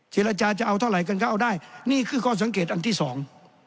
เจรจาจะเอาเท่าไหร่กันก็เอาได้นี่คือข้อสังเกตอันที่สอง